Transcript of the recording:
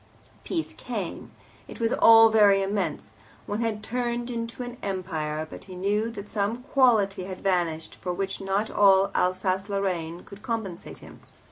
Peace came it was all very immense, one had turned into an Empire but he knew that some quality had vanished for which not all Alsace Lorraine could compensate him.